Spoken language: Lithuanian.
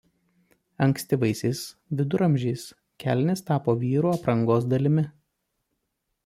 Ankstyvaisiais viduramžiais kelnės tapo vyrų aprangos dalimi.